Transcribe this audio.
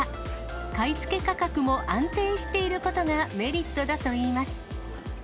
買い付け価格も安定していることがメリットだといいます。